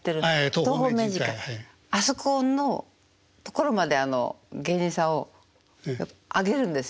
あそこのところまで芸人さんを上げるんですよ。